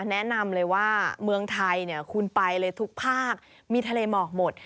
แนะนำเลยว่าเมืองไทยคุณไปเลยทุกภาคมีทะเลหมอกหมด